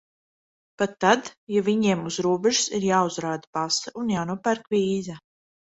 Pat tad, ja viņiem uz robežas ir jāuzrāda pase un jānopērk vīza.